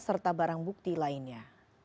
serta barang bukti lainnya